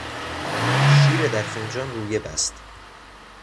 شیر در فنجان رویه بست.